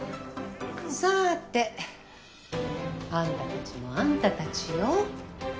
さあてあんたたちもあんたたちよ。